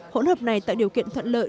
hỗn hợp này tại điều kiện thuận lợi